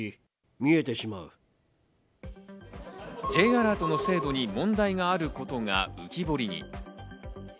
Ｊアラートの精度に問題があることが浮き彫りに。